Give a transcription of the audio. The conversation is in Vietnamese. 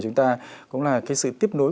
chúng ta cũng là cái sự tiếp nối